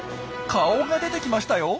顔が出てきましたよ。